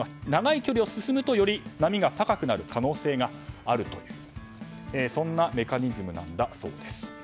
長い距離を進むとより波が高くなる可能性があるというそんなメカニズムだそうです。